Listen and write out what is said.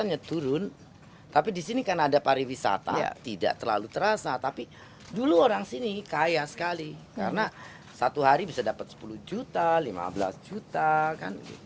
makanya turun tapi disini kan ada pariwisata tidak terlalu terasa tapi dulu orang sini kaya sekali karena satu hari bisa dapat sepuluh juta lima belas juta kan